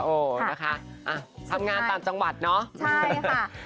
อ่ะทำงานต่างจังหวัดเนาะ